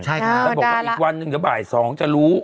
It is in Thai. ใช่ค่ะดาราแล้วบอกว่าอีกวันหนึ่งเดี๋ยวบ่าย๒จะรู้